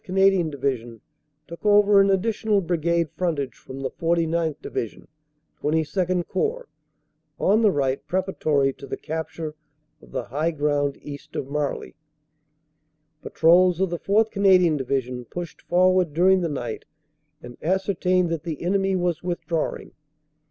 Canadian Division took over an additional Brigade frontage from the 49th. Division (XXII Corps) on the right preparatory to the capture of the high ground east of Marly. "Patrols of the 4th. Canadian Division pushed forward during the night and ascertained that the enemy was with drawing.